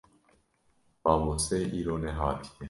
Mamoste îro nehatiye.